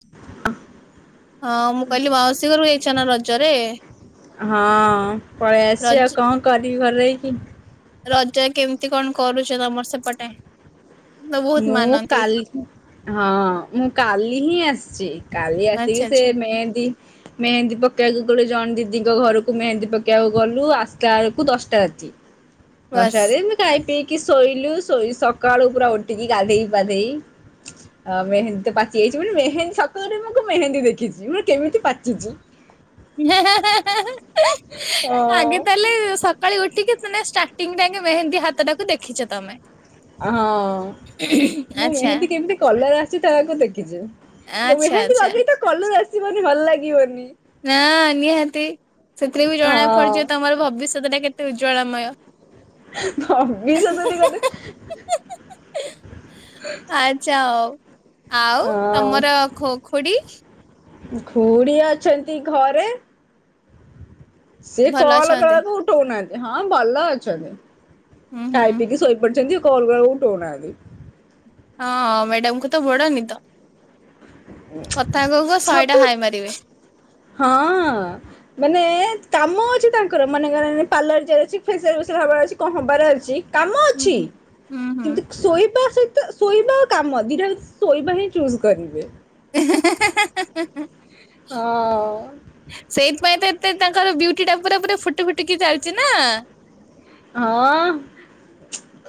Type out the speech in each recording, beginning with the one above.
[unintelligible] ହଁ ମୁଁ କହିଲି ମାଉସୀ ଘରକୁ ଯାଇଛ ନା ରଜରେ? [inaudible] ହଁ ପଳେଇ ଆସିଛି ଆଉ ରଜ କଣ କର କରରେ କି। ରଜ କେମିତି କଣ କରୁଛ ତମର ସେପଟେ। ତ ବହୁତ ମୁଁ ମାନନ୍ତି କାଲି ହଁ ମୁଁ କାଲି ହିଁ ଆସିଛି କାଲି ଆଚ୍ଛା ଆସିକି ସେ ଆଚ୍ଛା ମେହେନ୍ଦୀ ମେହେନ୍ଦୀ ପକେଇବାକୁ ଗୋଟେ ଜଣେ ଦିଦିଙ୍କ ଘରକୁ ମେହେନ୍ଦୀ ପକେଇବାକୁ ଗଲୁ ଆସଟା ବେଳକୁ ଦଶଟା ରାତି। ବାସ୍। ହଷରେ କାଇ ପି କିି ଶୋଇଲୁ ଶୋଇ ସକାଳୁ ପୁରା ଉଠ ଟିକି ଗାଧେଇ ପାଧେଇ ଆଉ ମେହେନ୍ଦୀ ତ ପାଚି ଯାଇଛି ପୁଣି ମେହେନ୍ଦୀ ସକାଳୁ ଉଠି ମୁଁ ମେହେନ୍ଦୀ ଦେଖିଛି ମୁ କେମିତି ପାଚୁଛି। ହେ ହେ ହେ ହେ ହେ ଅ ଆଗେ ତାହେଲେ ସକାଳେ ଉଠିକି ଷ୍ଟାର୍ଟିଂ ଯାକେ ମେହେନ୍ଦୀ ହାତ ଟାକୁ ଦେଖିଛ ତମେ। ହଁ ମୁଁ ଆଚ୍ଛା ମେହେନ୍ଦୀ କେମିତି କଲର ଆସିଛି ତା ଆକୁ ଦେଖିଛି ଆଚ୍ଛା ମେହେନ୍ଦୀ ଆଚ୍ଛା ଲଗେଇି ତା କଲର ଆସିଛି ନ [inaudible] ଭଲ ଲାଗିବନି ନା ନିହାତି ସେଥିରେ ବି ଜଣା ହଁ ପଡୁଛି ତମର ଭବିଷ୍ୟତ ଟା କେତେ ଉଜ୍ଜ୍ୱଳାମୟ। ଅ ବିିସତ ଦ କଧୁ ଆଚ୍ଛା ହଉ [unintelligible] ଆଉ ତମର ଖୋ ଖୁଡି। ଘୁଡ଼ି ଅଛନ୍ତି ଘରେ। ସିଏ ଭଲ କଲ କଲା ଅଛନ୍ତି? ଵେଲେ ତ ଉଠଉନାହାନ୍ତି। ହଁ ଭଲ ଅଛନ୍ତି। ହୁଁ ହୁଁ। ଖାଇ ପିକି ଶୋଇପଡିଛନ୍ତି ଆଉ। କଲ ଆଉ ଉଠଉ ନାହାନ୍ତି। ହଁ ମ୍ୟାଡାାମଙ୍କୁ ତ ବଡ ନିଦ। କଥା କହୁ କହୁ ସବୁ ଶହେଟା ହାଇ ମାରିବେ। ହଁ ମାନେ କାମ ଅଛି ତାଙ୍କର ମାନେ ଙ୍କର ପାର୍ଲାର ଚାଲିଛି ଫେସିଆଲ୍ ଫେସିଆଲ୍ ହବାର ଅଛି କଣ ହବାର ଅଛି କାମ ହୁଁ ଅଛି ହୁଁ। ହୁଁ ହୁଁ। କିନ୍ତୁ ଶୋଇବା ସହିତ ଶୋଇବା କାମ ଦିଟା ଶୋଇବା ହିଁ ଚୁଜ କରିବେ। ହେ ହେ ହେ ହେ ହେ ହେ ହଁ ମ ତାଙ୍କର ବିୟୁଟି ଟା ପୁରା ପୁରା ଫୁଟି ଫୁଟିକି ଚାଲିଛି ନା--ଆ ହଁ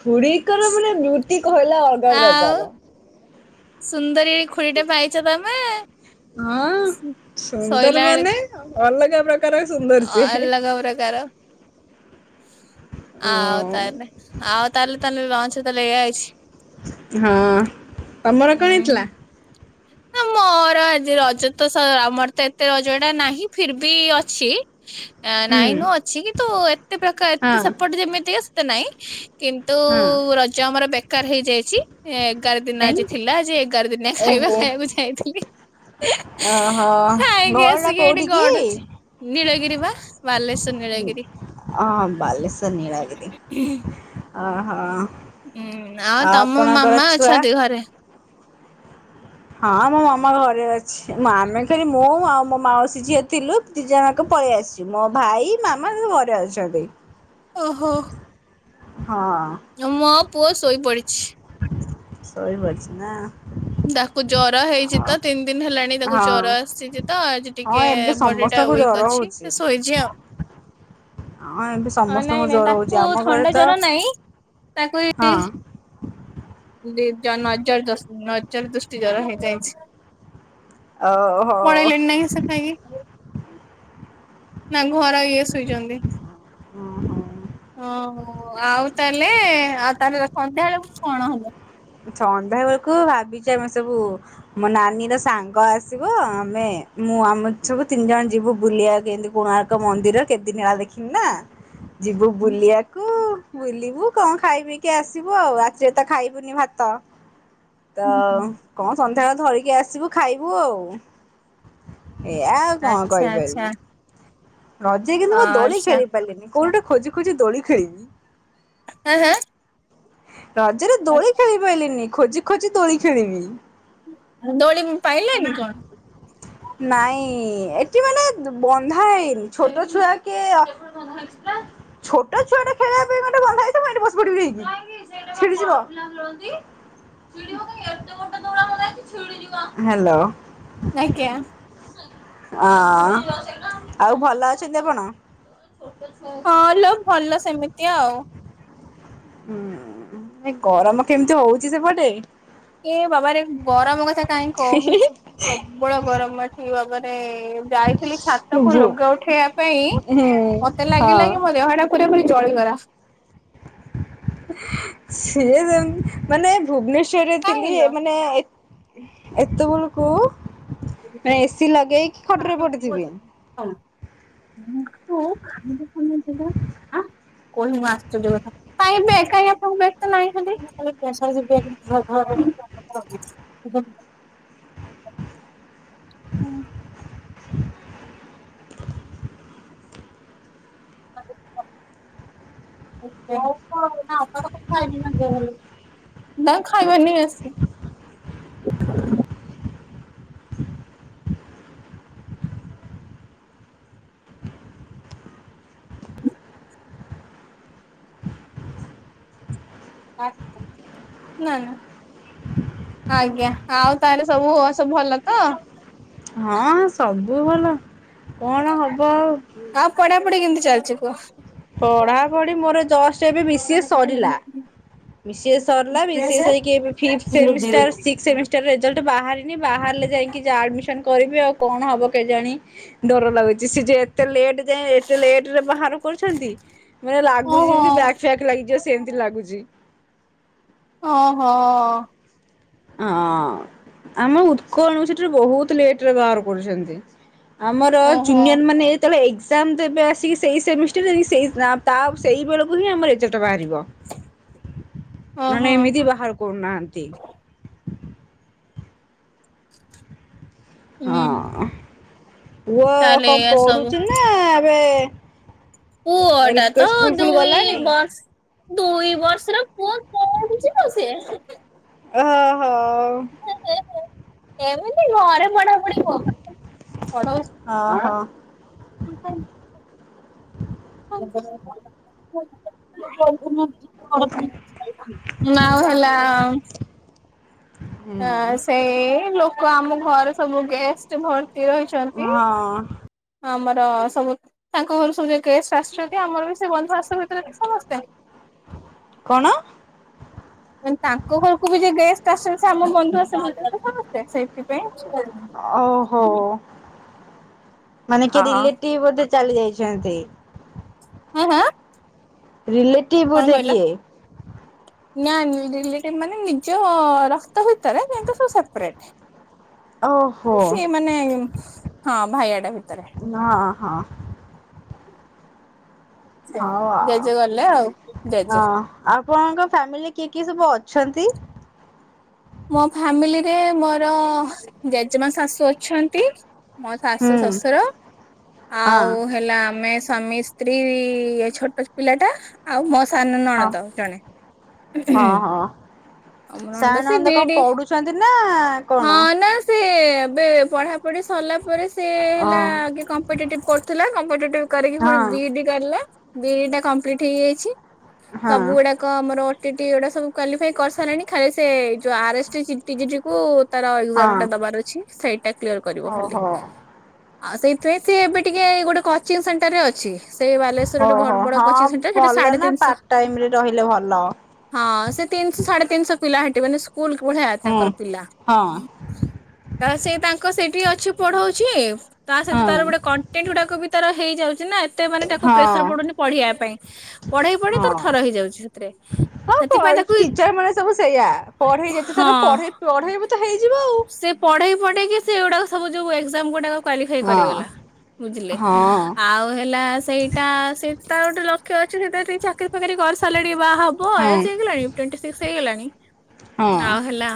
ଖୁଡିଙ୍କର ମାନେ ବ୍ୟୁଟି କହିଲା ଅଲଗା ପ୍ରକାର। ସୁନ୍ଦର ଖ ଖୁଡିଟେ ପାଇଛ ତମେ ହଁ ସୁନ୍ଦର ଶୋଇଲା ମାନେ ବେଳକୁ ଅଲଗା ପ୍ରକାର ସୁନ୍ଦର ଅ ସିଏ। ଅଲଗ ପ୍ରକାର ଆ ହଁ ଆଉତାହେଲେ ଆଉ ତାହେଲେ ତାହେନେ ଲଞ୍ଚ [unintelligible] ହଁ ତମର କଣ ହେଇ ଥିଲା? ନା ମୋର ଆଜି ରଜ ତ ସ ଆମର ତ ଏତେ ରଜ ଟା ନାହିଁ ଫିର ବି ଅଛି ହୁଁ ନାଇଁ ନୁ ଅଛି କି ତୁ ଏତେ ପ୍ରକାର ହଁ ଏତେ ସେପଟ ଯେମିତିକା ତ ନାଇଁ କିନ୍ତୁ ହଁ ରଜ ଆମର ବ୍ୟ ଦରକାର ହେଇଯାଇଛି ଏ ଏଗାର ଦିନ କାଇଁ? ଆଜି ଥିଲା ଯେ ଏଗାର ଦିନିଆ ଖାଇବା। ଓହୋ ମୁ ଯାଇଥିଲି ଓହୋ ଖାଇକି ଘର ଟା କୋଉଠି କି? ଗିରି ବା ବାଲେଶ୍ଵର ହୁଁ ନୀଳଗିରି। ଆଁ ବାଲେଶ୍ୱର ନୀଳଗିରି ଓହୋ ହୁଁ ନା ତମ ଆପଣଙ୍କର ମାମା ଛୁଆ? ଅଛନ୍ତି ଘରେ ହଁ ମୋ ମାମା ଘରେ ଅଛି ଆମେ ଖଲି ମୁଁ ଆଉ ମୋ ମାଉସୀ ଝିଅ ଥିଲୁ ଦି ଜଣକ ପଳେଇ ଆସିଛୁ ମୋ ଭାଇ ମାମା ଘରେ ଅଛନ୍ତି ଓହୋ ମୋ ହଁ ପୁଅ ଶୋଇ ପଡ଼ିଛି ଶୋଇ ପଡିଛି ନା ତାକୁ ଜର ହେଇଛି ଆଉ ତ ତିନି ଦିନ ହେଲାଣି ତାକୁ ହଁ ଜର ଆସିଛି ତ ଆଜି ହଁ ଟିକେ ଏବେ ବଡି ଟା ସମସ୍ତଙ୍କୁ ଜର ୱିକ ହଉଛି ଅଛି ଶୋଇଛି ଆଉ ହଁ ଏବେ ହଁ ସମସ୍ତଙ୍କୁ ନାଇଁ ନାଇଁ ଜର ହଉଛି ତାକୁ ଆମ ଘରେ ଥଣ୍ଡା ତ ଜର ନାଇଁ ତାକୁ ହଁ ଏଇ ନଜର ନଜର ଦୃଷ୍ଟି ଜର ହେଇଯାଇଛି ପଳେଇଲେ ଓହୋ ନା ସେ ଖାଇକି ନାଁ ଘର ଏଇ ଶୁଇଛନ୍ତି ଅହ ଆଉ ତାହେଲେ ଆଉ ତାହେଲେ ସନ୍ଧ୍ୟା ବେଳକୁ କଣ ହବ ସନ୍ଧ୍ୟାବେଳକୁ ଭାବିଛି ଆମେ ସବୁ ମୋ ନାନୀ ର ସାଙ୍ଗ ଆସିବ ଆମେ ମୁଁ ଆମ ସବୁ ତିନି ଜଣ ଯିବୁ ବୁଲିବାକୁ ଏମିତି କୋଣାର୍କ ମନ୍ଦିର କେତେଦିନ ହେଲା ଦେଖିନି ନା ଯିବୁ ବୁଲିବାକୁ ବୁଲିବୁ କଣ ଖାଇ ପିଇ କିି ଆସିବୁ ଆଉ ଆଜି ତ ଖାଇବୁନି ଭାତ ତ ତ କଣ ସନ୍ଧ୍ୟାବେଳେ ଧରିକି ଆସିବୁ ଖାଇବୁ ଆଉ ଏୟା ଆଉ କଣ ଆଚ୍ଛା ଆଚ୍ଛା କରିପାରିବି ରଜରେ କିନ୍ତୁ ମୁଁ ଦୋଳି ଆଚ୍ଛା ଖେଳି ପାରିବିନି କୋଉଟେ ଖୋଜି ଖୋଜି ଦୋଳି ଖେଳିବି ହଁ ହ ରଜରେ ଦୋଳି ଖେଳି ପାରିଲିନି ଖୋଜି ଖୋଜି ଦୋଳି ଖେଳିନି ଦୋଳି ପାଇଲେନି କଣ ନାଇଁ ଏଠି ମାନେ ବନ୍ଧା ହେଇନି ଛୋଟ ଛୁଆ କେ ଛୋଟ ଛୁଆଟା ଖେଳିବା ପାଇଁ ଗୋଟେ ବନ୍ଧା ହେଇଥିବ ଏଠି ବସି ପଡିବି ଯାଇକି ସେଠି ଶୁଣ ହେଲୋ ଆଜ୍ଞା ହଁ ଆଉ ଭଲ ଅଛନ୍ତି ଆପଣ। ହଁ ଲୋ ଭଲ ସେମିତି। ତି ଆଉ। ହୁଁ ଗରମ କେମିତି ହଉଛି ସେପଟେ। ଏ ବାବାରେ ଗରମ କଥା କାହିଁ କହୁଛ। ପ୍ରବଳ ଗରମ ଏଠି ବାବାରେ ଯାଇଥିଲି ଭୁ ଛାତକୁ ହୁଁ ଲୁଗା ଉଠେଇବା ପାଇଁ ମତେ ଲାଗିଲା ହଁ କି ମୋ ଦେହ ଟା ପୁରା ପୁରି ଚଳିଗଲା। ସେଏ ଯେ ମାନେ ଭୁବନେଶ୍ୱର ରେ କାଇଁ ଥିଲି ଲୋ। ମାନେ ଏତେବେଳ କୁ ଏସି ଲଗେଇକି ଆଁ ଖଟରେ ପଡିଯିବି। [unintelligible] ହୁଁ। ନା ଖାଇବ ନେଇି ଆସି ନା ନା ଆଜ୍ଞା ଆଉ ତାହଲେ ସବୁ ହଆ ସବୁ ଭଲ ତ। ହଁ ସବୁ ବୁ ଭଲ। କଣ ହବ ଆଉ ଆ ପଢା ପଢି କେମତି ଚାଲଛି କୁହ। ପଢାପଢି ମୋର ଜଷ୍ଟ ଏବେ ବି ସିଏ ସରିଲା। ବିି ସି ଏ ସରିଲା ବି ସି ଏ ସରିକି ଏବେ fix semester six semester result ବାହା ବାହାରିଲେ ଯାଇକି ଯା ଆଡମିସନ କରିବି ଆଉ। କଣ ହବ କେଜାଣି ଡର ଲାଗୁଛି। ସେ ଯେ ଏତେ ଲେଟେ ଯାଏଁ ଏତେ ଲେଟରେ ବାହାର କର ଛନ୍ତି। ମାନେ ଲାଗୁଛି ଓହୋ ଯେମିତି ବ୍ୟାକ୍ ଫ୍ୟାକ୍ ଲାଗିଯିବ। ସେମିତି ଲାଗୁଛି। ଓ ହୋ। ହଁ ଆମେ ଉତ୍କଳୟ ୟୁନିଭରସିଟି ରେ ବହୁତ ଲେଟରେ ବାହାର କରୁଛନ୍ତି। ଆମର ଓହୋ ଜୁନିୟର ମାନେ ଯେତେବେଳେ ତାମେ ତ ଏବେ ଆସିକି ସେଇ ସେମିଷ୍ଟାର ଯକି ସେଇ ତା ସେଇ ବେଳକୁ ହିଁ ଆମ ଏ ବାହାରିବ ନହେଲେ ଓହୋ ଏମିତି ବାହାର କରୁନାହାଁନ୍ତି। ହୁଁ ହଁ। ପୁଅ ତାହେଲେ କଣ ଏଇଆ ପଢୁଛୁ ନା ଏବେ [inaudible] ପୁଅ ଟା ତ ସ୍କୁଲ ଫୁଲ ଦୁଇ ଗଲାଣି? ବସ ଦୁଇ ବର୍ଷର ପୁଅ କଠୁଛିିବ ସିଏ। ଓହୋ। ଏମିତି ଘରେ ପଢାପୁଢି କରୁ ଓହୋ ପଢୋଉଚୁ। [inaudible] ଆ ଆଉ ହେଲା ହ ସେ ଲୋକ କ ଆମ ଘର ସବୁ ଗେଷ୍ଟ ଭ ରହିଛନ୍ତି ହଁ ହଁ ମର ତ ସବୁ ତାଙ୍କ ଘରୁ ସବୁଯାକ ଗେଷ୍ଟ ଆସିଚନ୍ତି। ଆମର ବି ସେ ବନ୍ଧୁବାଥବ ଭିତରେ ସବୁ ଆସିଚନ୍ତି। କଣ? ତାଙ୍କ ଘରକୁ ବି ଯ ଗେଷ୍ଟ ଆସିଚନ୍ତି, ସେ ଆମ ଘରକୁ ସମସ୍ତେ। ସେଇଥିପାଇଁ ଓହୋ। ମାନେ କିଏ ହଁ ରିଲେଟିଭ ଗୋଟେ ଚାଲି ଯାଇଚନ୍ତି। ହଁ ହଁ। ରିଲେଟିଭ କଣ ବୋଧେ କହିଲ? କିଏ? ନା ରିଲେଟିଭ ମାନେ ନିଜ ରକ୍ତ ଭିତର କିନ୍ତୁ ସେ ସେପରେଟ୍। ଓହୋ ସେ ମାନେ ହଁ ଭାଇଆ ଟା ଭିତରେ। ହଁ ହଁ ହଉ ଆଉ। ଜେଜେ ଗଲେ ଆଉ ଅ ଜେଜେ ଆପଣଙ୍କ ଫ୍ୟାମିଲି କିଏ କିଏ ସବୁ ଅଛନ୍ତି? ମୋ ଫାମିଲିରେ ମୋର ଜେଜେମା ଶାଶୁ ଅଛନ୍ତି। ମୋ ଶାଶୁ ହୁଁ ଶଶୁର ହଁ ଆଉ ହେଲା ଆମେ ସ୍ୱାମୀ ସ୍ତ୍ରୀ ଛୋଟ ପିଲା ଟା ଆଉ ମ ସାନ ହଁ ନଣଦ ଜଣେ। ହୁଁ ଆମର ଳନ୍ଦ କଣ ପଡୁଛନ୍ତି ନା କଣ? ହଁ ନା ସେ ଏବେ ପଢାପଢି ସରିଲା। ତପରେ ସେ ଓ ହେଲା କମ୍ପିଟିଟିଭି କରୁଥିଲା। କମ୍ପିଟିଟିଭି କରିକି ଫୁଣି ହଁ ବି ଇ ଡି କରିଲା। ବି ଇ ଟା କମ୍ପ୍ଲିଟ୍ ହେଇଯାଇଛି। ହଁ ସବୁ ହଁ। ଗୁଡାକ ଆମର ସେ ଟିକ ଏଟା ସବୁ କ୍ୱାଲିଫାଇ କରିସାରିଲେଣି ଖାଲି ସେ ଯଉ ଆର ଏସ୍ ଚି [unintelligible] କୁ ତାର ଏକ୍ଜାମ ଟା ଦବାର ଅଛି। ସେଇଠ୍ ଟା କ୍ଲିୟର କରିବ ଖାଲି। ଓହୋ ଆଉ ସେଇଥିପାଇଁ ସ ଏବେ ଟିକେ ଗୋଟେ କୋଚିଂ ସେଣ୍ଟର ରେ ଅଛି। ସେ ବାଲେଶ୍ଵରେ ଟେ ଭ ଓହୋ ବଡ ହଁ କଚିଂ ସେଣ୍ଟର ସେଠି ଭଲ ସାଢେ ନା ତିନିଶହ ପାର୍ଟ ଟାଇମ ରେ ରହିଲେ ଭଲ। ହଁ ସେଠୀ ସାଢେ ତିନିଶହ ପିଲା ହେ ଏମାନେ ସ୍କୁଲ ଭଳିଆ ହୁଁ ତାଙ୍କର ପିଲା। ହଁ କାରଣ ସେ ତାଙ୍କ ସେଇଠି ଅଛି ପଢଉଚି। ତା ହଁ ସହିତ ତାର ଗୋଟେ କନ୍ ଟେଣ୍ଟ ଗୁଡାକ ବି ତାର ହେଇଯାଉଚି ନା ଏ ଏତେ ମାନେ ତାକୁ ହଁ ପ୍ରେସର ପଡୁନି ପଢେଇବା ପାଇଁ। ପଢେଇ ପଢେଇ ତାର ହଁ। ଥର ହେଇଯାଉଚି ସେଥିରେ। ହଁ ସେଥିପାଇଁ ତାକୁ ଟିଚର ମାନେ ସବୁ ସେଇଆ ପଢେଇ ଯେତେ ହଁ ଥର ପଢେଇ ପଢେଇବୁ ତ ହେଇଯିବ ଆଉ। ଗୁଡାକ ସବୁ ଯୋଉ ଏକ୍ଜାମ୍ ଗୁଡା କ୍ୱଲିଫାଇ ଆଉ। କରିଗଲା ବୁଝିଲେ ହଁ ହଁ। ଆଉ ହେଲା ସେଇଟା ସେ ତାର ଗୋଟେ ଲକ୍ଷ୍ୟ ଅଛି ସେଥିରେ ଟିକେ ଚାକିରି ଫାକିରି କରି ସାରିଲେ ବାହା ହବ ହଁ ଏଜ୍ ହେଇଗଲାଣି ଟ୍ୱଣ୍ଟି ସିକ୍ସ୍ ହେଇଗଲାଣି। ହଁ [unintelligible] ଆଉ ହେଲା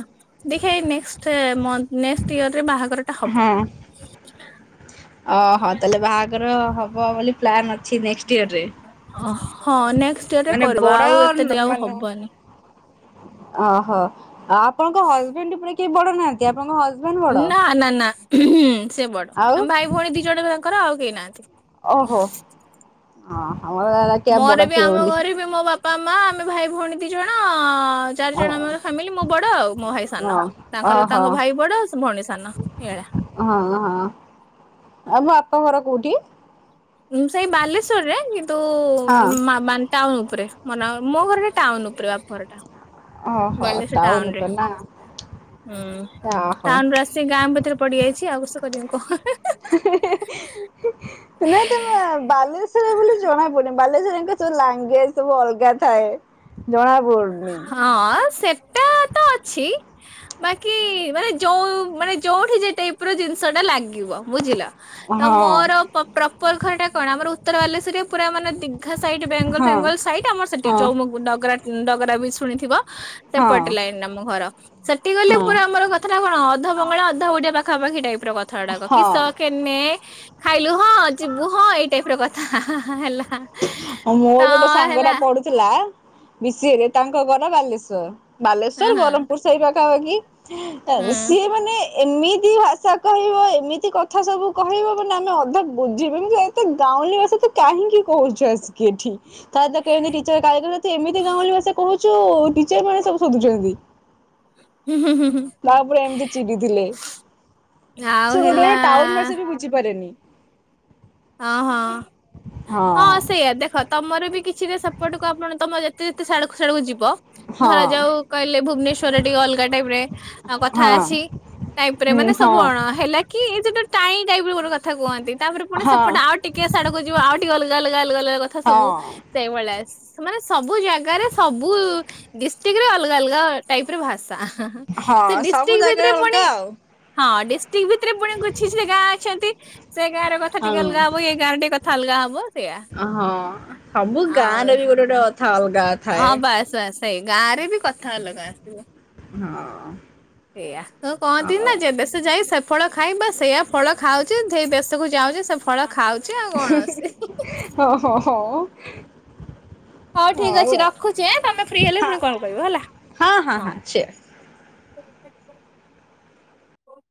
ଦେ ଏଇ ନେଷ୍ଟ୍ ମନ୍ଥ ନେଷ୍ଟ୍ ଇୟର ରେ ବାହା ଘର ଟା ହବ। ଓ ହୋ ତାହେଲେ ବାହାଘର ହଁ ହବ ବୋଲି ପ୍ଲାନ୍ ଅଛି। ନେକ୍ସଟ ଇୟରରେ ଓ ହଁ। ନେକ ନେକ୍ସଟ୍ ଆୟର ରେ ମାନେ କରିବ ବଡ ଆଉ ଏତେ ଡେରି ଆଉ ହବନି। ଓ ହୋ। ଆ ଆପଣଙ୍କ ହଜବେଣ୍ଡ୍ ପୁରା କେହି ବଡନାହାନ୍ତି ଆପଣଙ୍କ ହଜ ନା ନା ନା। ହଁ। ସେ ବଡ ଆଉ ଆମେ ଭାଇ ଭଉଣୀ ଦି ଜଣ ତାଙ୍କର ଆଉ। ଦେଇନାହାନ୍ତି। ଓହୋ ହଁ। ମୋର ବି ଆମ ଘରେ ବି ମୋ ବାପା ମା ତମେ ଭାଇ ଭଉଣୀ ଦି ଜଣ ଚାରି ଜଣ ଓହୋ ଆମର ଫ୍ୟାମିଲି ମୁଁ ବଡ ଆଉ ମୋ ଭାଇ ସାନ ତାଙ୍କର ଓହୋ ତାଙ୍କ ଭାଇ ବଡ ଆଉ ଭଉଣୀ ସାନ ଏଇ ଭଳିଆ ହଁ ତମ ଘର କୋଉଠି? ସେଇ ବାଲେଶ୍ଵରରେ କିନ୍ତୁ ହଁ ମାନେ ଟାଉନ ଉପରେ ମନ ମୋ ଘର ଟେ ଟାଉନ ଉପରେ ବାପର ଟା ଓହୋ ବାଲେଶଵର ଟାଉନ ରେ ଉପରେ ନା ହଁ ଓହୋ ଟାଉନ ର ଆସିି ଗାଁ ଭିତରେ ପଡିଯାଇଛି ଆଉ କରିବା କହଣ ନାଇଁ ତମେ ସ ଲାଙ୍ଗୁଏଜ ସବୁ ଅଲଗା ଥାଏ ଜଣାପଡ଼ମ ଟା ତ ଅଛି ବାକି ମାନେ ଯୋଉ ମାନେ ଯୋଉଠି ଯେ ଟାଇପ ର ଜିନିଷ ଟା ଲାଗିବ ବୁଝିଲ। ହଁ ତ ମୋର ପ୍ରପଲ ଘର ଟା କଣ ଆମର ଉତ୍ତର ବାଲେଶ୍ଵରରେ ପୁରା ମାନେ ଦିଗଘ ସାଇଟ୍ ବେଙ୍ଗଲ ହଁ ଫେଙ୍ଗଲ ସାଇଟ ଆମର ସେଠି ହଁ ଚଉମୁଡଗରା ଡଗରା ବି ଶୁଣିଥିବ। ସେ ହଁ ପଟ ଲାଗନି ଆମ ଘର। ସେଠି ଗଲେ ହଁ ପୁରା ଆମର କଥାଟା କଣ ଅଧ ବଙ୍ଗଳା ଅଧ ଓଡିଆ ପାଖାପାଖି ଟାଇପ କଥା ଗୁଡାକ କିସ ହଁ। କେନେ ଖାଇଲୁ ହଁ ଯିବୁ ହଁ ଏଇ ଟାଇପ ର କଥା ହେଲା। ତ ମୋର ଗୋଟେ ସାଙ୍ଗ ହେଲା ଟା ପଡୁଥିଲା ବି ସି ଏ ରେ ତାଙ୍କ ଘର ବାଲେଶ୍ଵର ହଁ ବାଲେଶ୍ୱର ହଁ। ବ୍ରହମପୁର ସହି [inaudible] ହୁଁ ସିଏ ମାନେ ଏମିତି ଭାଷା କହିବ ଏମିତି କଥା ସବୁ କହିବ ମାନ ଆମେ ଅଧିକ ବୁଝିବୁ ଏତେ ଗାଉଁଲି ଭାଷା ତ କାହିଁକି କଉ ଜସ କେ ଏଠୀ କଥ କେଚର କାରଗର ଏମିତି ଗାଁଳିଲିସ କରୁଚୁ ଟିଚର ମାନେ ସବୁ ଶୋଧୁଛନ୍ତି। ତାପରେ ଏମିତି ଚିଡି ଥିଲେ ଆଉ ସେ ଗୋଟେ ହେଲା ଗୋଟେ ଟାଉନ ଭାଷା ବି ବୁଝିପାରେନି। ହଁ ହଁ। ହଁ ସେଇଆ ଦେଖ ତମର ବି କିଛିଟ ସେପଟକୁ ଆପଣ ତମ ଯେତେ ଯେତେଡୁ ସଆଡକୁ ଯିବ ଧର ହଁ ଯାଉ କହିଲେ ଭୁବନେଶ୍୍ୱରରେ ଟିକେ ଅଲଗା ଟାଇପ ରେ କଥା ହଁ ଅଛି ଟାଇପ ରେ ହଁ ମାନେ ସବୁ ହଁ ଅଣ ହେଲା କି ଏ ଯଟ କାଇଁ ଟାଇପ କଥା କୁହନ୍ତି ତାପରେ ପୁଣି ହଁ ସବ ପ ଆଉ ଟିକେ ସଡକୁ ଯିବ ଆଉ ଟିକ ଗ ଗ ଗ ଗ କଥା ସବୁ ହଁ। ସେଇ ଭଳିଆସ ସେମାନେ ସବୁ ଜାଗାରେ ସବୁ ଡିଷ୍ଟ୍ରିକ ରେ ଅଲଗା ଅଲଗା ଟାଇପ ର ଭାଷା। ସେ ହଁ ସବୁ ଡିଷ୍ଟ୍ରିକ୍ ଜାଗାରେ ଭିତରେ ପୁଣି ଅଲଗା ହଁ ଡି ଷ୍ଟିକ୍ ଭିତରେ ପୁଣି କିଛି ସେ ଗାଁ ଅଛନ୍ତି ସେ ଗାଁ ର କଥା ଟିକେ ଅଲଗା ହବ ଏ ଗାଁର ଟି ଅଲଗା ହବ। ସେଇଆ। ଅହଁ ସବୁ ଆଉ ଗାଁରେ ବି ଗୋଟେ ଗୋଟେ କଥା ଅଲଗା। ଥାଏ। ହଁ ବାସ୍ ବାସ୍ ସେଇ ଗାଁ ରେ ବି କଥା ଅଲଗା ଆସିବ। ହଁ ସେଇଆ ଯୋ ହଉ କହନ୍ତି ନା ଯେ ଦେଶେ ଯାଇ ସେ ଫଳ ଖାଇବା ସେଇୟା ଫଳ ଖାଉଛି ସେ ଦେଶକୁ ଯାଉଛି ସେ ଫଳ ଖାଉଛି ହଁ ହଁ ହଁ [inaudible] ହଉ ଠିକ ଅଛି ରଖୁଛି ଏଁ ତମେ ଫ୍ରି ହେଲେ ପୁଣି କଲ୍ କରିବ ହେଲା ହଁ।